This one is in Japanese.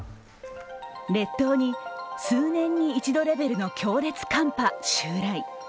列島に数年に一度レベルの強烈寒波襲来。